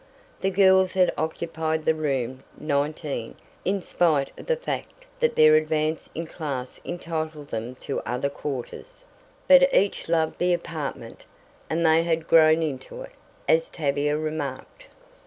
The girls had occupied room "nineteen" in spite of the fact that their advance in class entitled them to other quarters, but each loved the apartment, and they had "grown into it," as Tavia remarked.